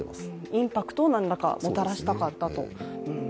インパクトを何らかもたらしたかったと。